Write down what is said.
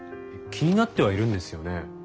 気になってはいるんですよね？